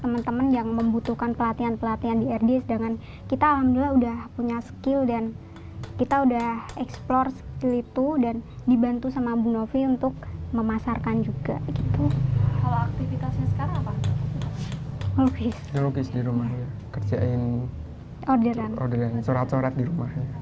melukis di rumahnya kerjain orderan surat surat di rumahnya